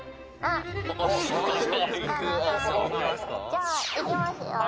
じゃあ行きますよ。